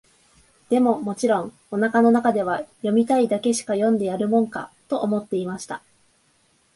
でも、もちろん、お腹の中では、読みたいだけしか読んでやるもんか、と思っていました。